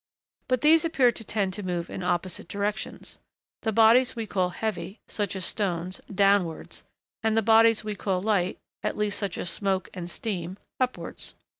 But these appear to tend to move in opposite directions: the bodies we call heavy, such as stones, downwards, and the bodies we call light, at least such as smoke and steam, upwards.